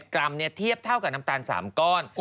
กรัมเทียบเท่ากับน้ำตาล๓ก้อน